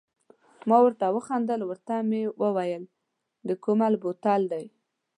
ما ورته و خندل، ورته مې وویل د کومل بوتل دی.